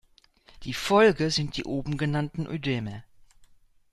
Die Folge sind die oben genannten Ödeme.